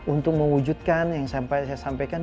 untuk mewujudkan yang saya sampaikan